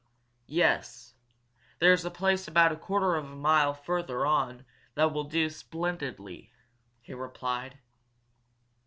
"Yes. There's a place about a quarter of a mile further on that will do splendidly," he replied.